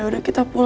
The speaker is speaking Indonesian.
yaudah kita pulang